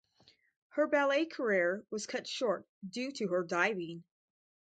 Her ballet career was cut short due to her diving.